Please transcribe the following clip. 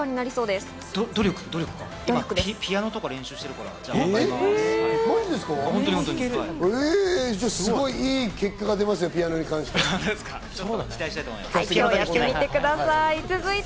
すごいいい結果が出ますよ、ピアノに関して。